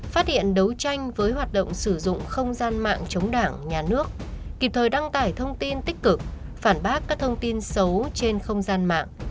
phát hiện đấu tranh với hoạt động sử dụng không gian mạng chống đảng nhà nước kịp thời đăng tải thông tin tích cực phản bác các thông tin xấu trên không gian mạng